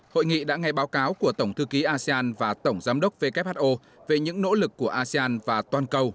hội nghị đã nghe báo cáo của tổng thư ký asean và tổng giám đốc who về những nỗ lực của asean và toàn cầu